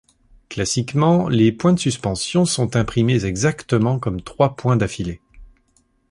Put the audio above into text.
Classiquement, les points de suspension sont imprimés exactement comme trois points d'affilée.